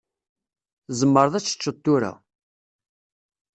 Tzemreḍ ad teččeḍ tura.